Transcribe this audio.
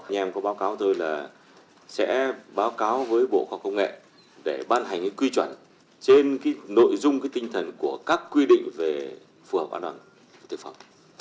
nhà em có báo cáo tôi là sẽ báo cáo với bộ khoa công nghệ để ban hành cái quy chuẩn trên cái nội dung cái tinh thần của các quy định về phù hợp an toàn thực phẩm